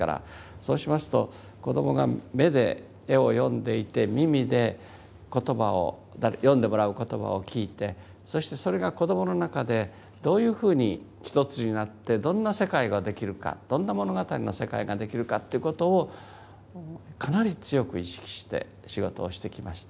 そうしますと子どもが目で絵を読んでいて耳で言葉を読んでもらう言葉を聞いてそしてそれが子どもの中でどういうふうに一つになってどんな世界ができるかどんな物語の世界ができるかっていうことをかなり強く意識して仕事をしてきました。